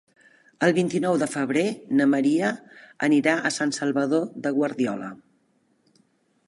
El vint-i-nou de febrer na Maria anirà a Sant Salvador de Guardiola.